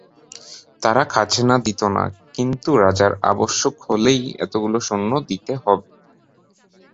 তারা খাজনা দিত না, কিন্তু রাজার আবশ্যক হলেই এতগুলো সৈন্য দিতে হবে।